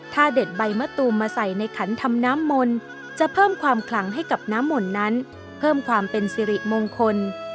ถ้าเด็ดใบมะตูมมาใส่ในขันทำน้ำมนต์จะเพิ่มความขลังให้กับน้ำมนต์นั้นเพิ่มความเป็นสิริมงคล